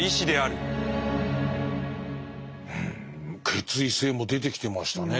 「決意性」も出てきてましたね。